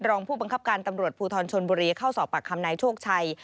รองผู้บังคับการตำรวจภูทรชนบุรีเข้าสอบปากคำนายโชคชัย